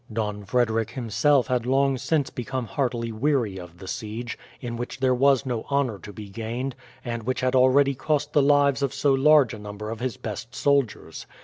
Don Frederick himself had long since become heartily weary of the siege, in which there was no honour to be gained, and which had already cost the lives of so large a number of his best soldiers.